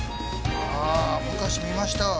ああ昔見ました。